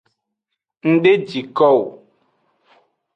Ng de ji ko o.